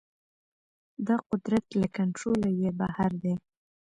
دا قدرت له کنټروله يې بهر دی.